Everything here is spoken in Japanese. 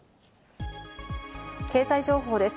経済情報です。